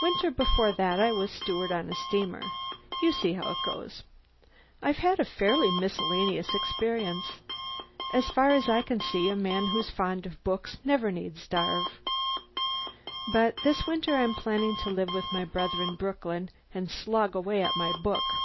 Winter before that, I was a steward on a steamer; you see how it goes. I've had a fairly miscellaneous experience. As far as I can see, a man who's fond of books never need starve! But this winter I'm planning to live with my brother in Brooklyn and slog away at my book.